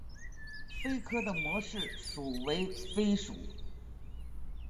鲱科的模式属为鲱属。